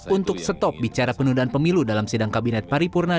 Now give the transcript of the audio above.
untuk stop bicara penundaan pemilu dalam sidang kabinet paripurna